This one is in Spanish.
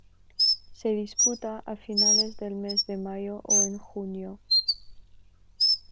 Se disputa a finales del mes de mayo o en junio.